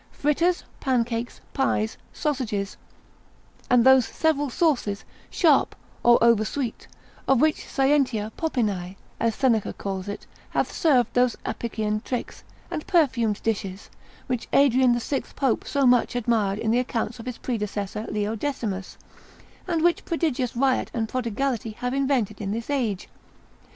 fritters, pancakes, pies, sausages, and those several sauces, sharp, or over sweet, of which scientia popinae, as Seneca calls it, hath served those Apician tricks, and perfumed dishes, which Adrian the sixth Pope so much admired in the accounts of his predecessor Leo Decimus; and which prodigious riot and prodigality have invented in this age.